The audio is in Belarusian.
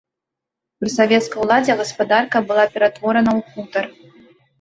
Пры савецкай уладзе гаспадарка была ператворана ў хутар.